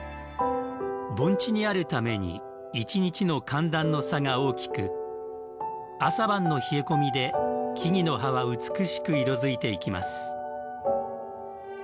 盆地にあるために一日の寒暖の差が大きく朝晩の冷え込みで木々の葉は美しく色づいていきます。